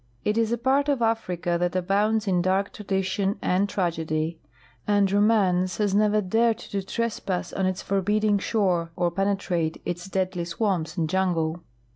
It is a part of Africa that abounds in dark tradition and tragedy, and romance has never dared to trespass on its forbidding shore or penetrate its deadly s\vami)S and jungle.